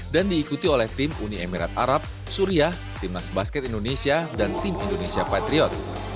dan diikuti oleh tim uni emirat arab suriah tim nas basket indonesia dan tim indonesia patriot